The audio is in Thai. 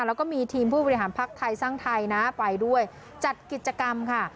แล้วก็มีทีมผู้บริหารภักดิ์ไทยสร้างไทยนะไปด้วยจัดกิจกรรมค่ะ